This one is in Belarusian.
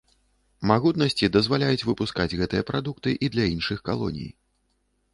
Магутнасці дазваляюць выпускаць гэтыя прадукты і для іншых калоній.